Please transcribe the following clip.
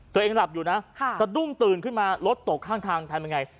ตัวเองหลับอยู่นะสะดุ้งตื่นขึ้นมารถตกข้างทางทางแบบไง